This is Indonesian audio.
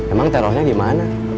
emang terornya di mana